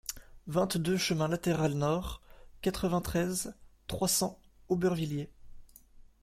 vingt-deux chemin Latéral Nord, quatre-vingt-treize, trois cents, Aubervilliers